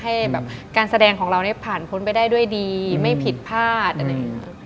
ให้แบบการแสดงของเราเนี่ยผ่านพ้นไปได้ด้วยดีไม่ผิดพลาดอะไรอย่างนี้